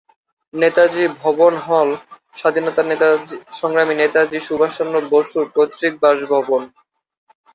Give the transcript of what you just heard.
নেতাজি ভবন হল স্বাধীনতা সংগ্রামী নেতাজি সুভাষচন্দ্র বসুর পৈতৃক বাসভবন।